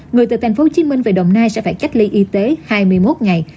người từ tp hcm về đồng nai sẽ phải cách ly y tế hai mươi một ngày